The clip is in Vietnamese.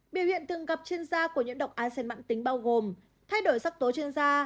biểu hiện thường gặp trên da của nhiễm độc a sen mạng tính bao gồm thay đổi sắc tố trên da